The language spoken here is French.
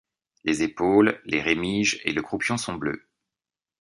Les épaules, les rémiges et le croupion sont bleus.